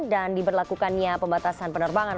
dan diberlakukannya pembatasan penerbangan